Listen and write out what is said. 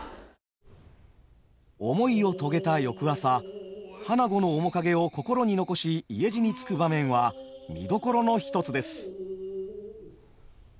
思いを遂げた翌朝花子の面影を心に残し家路につく場面は見どころの一つです。